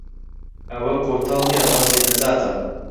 ئەوە کۆتەڵ نییە ڕەمزی نەجاتە